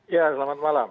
ya selamat malam